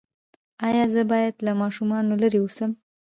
ایا زه باید له ماشومانو لرې اوسم؟